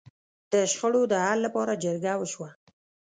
د شخړو د حل لپاره جرګه وشوه.